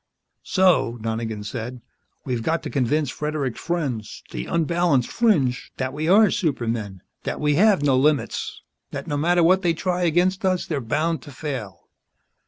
"So," Donegan said, "we've got to convince Fredericks' friends the unbalanced fringe that we are supermen, that we have no limits, that no matter what they try against us they're bound to fail."